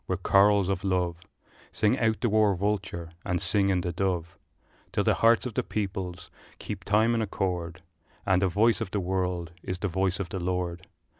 with chorals of love Sing out the war vulture and sing in the dove, Till the hearts of the peoples keep time in accord, And the voice of the world is the voice of the Lord!